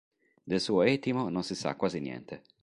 Del suo etimo non si sa quasi niente.